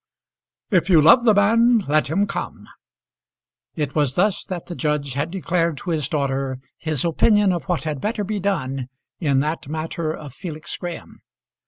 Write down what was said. "If you love the man, let him come." It was thus that the judge had declared to his daughter his opinion of what had better be done in that matter of Felix Graham.